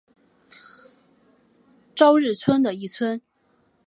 朝日村的一村。